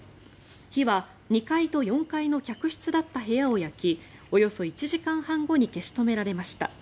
火は２階と４階の客室だった部屋を焼きおよそ１時間半後に消し止められました。